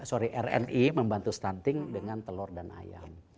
sorry rni membantu stunting dengan telur dan ayam